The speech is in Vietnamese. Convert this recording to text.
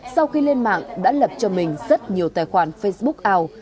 sau khi lên mạng đã lập cho mình rất nhiều tài khoản facebook ảo